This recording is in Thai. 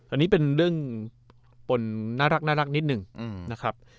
อันนี้เป็นเรื่องปนน่ารักนิดหนึ่งนะครับ